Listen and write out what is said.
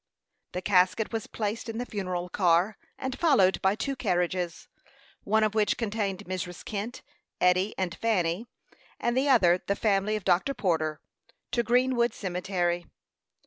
The casket was placed in the funeral car, and followed by two carriages, one of which contained Mrs. Kent, Eddy, and Fanny, and the other the family of Dr. Porter, to Greenwood Cemetery.